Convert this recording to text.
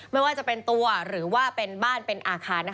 ไม่ว่าจะเป็นตัวหรือว่าเป็นบ้านเป็นอาคาร